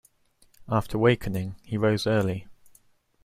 After wakening, he rose early.